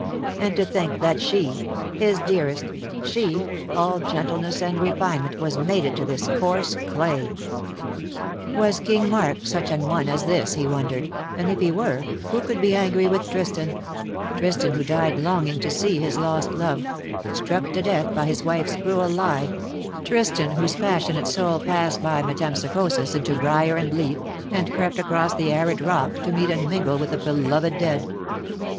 And to think that she — his dearest, she, all gentleness and refinement, was mated to this coarse clay ! Was King Marc 248 "who knows not circe ?" such an one as this he wondered, and if he were, who could be angry with Tristan — Tristan who died longing to see his lost love — struck to death by his wife's cruel lie — Tristan whose passionate soul passed by metempsychosis into briar and leaf, and crept across the arid rock to meet and mingle with the beloved dead.